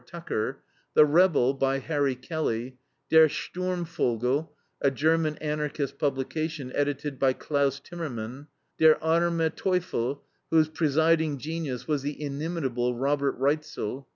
Tucker; the REBEL, by Harry Kelly; DER STURMVOGEL, a German Anarchist publication, edited by Claus Timmermann; DER ARME TEUFEL, whose presiding genius was the inimitable Robert Reitzel.